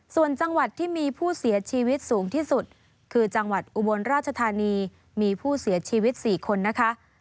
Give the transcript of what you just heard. ส่วนจังหวัดที่มีผู้เสียชีวิตสูงที่สุดคือจังหวัดอุบลราชธานีมีผู้เสียชีวิต๔คนนะคะ